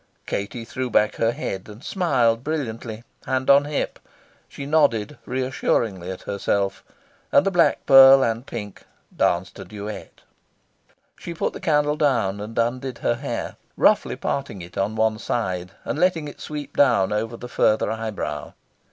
Katie threw back her head, and smiled brilliantly, hand on hip. She nodded reassuringly at herself; and the black pearl and the pink danced a duet. She put the candle down, and undid her hair, roughly parting it on one side, and letting it sweep down over the further eyebrow.